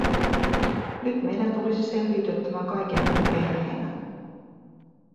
Nyt meidän tulisi selviytyä tämän kaiken yli perheenä.